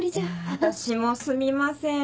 私もすみません。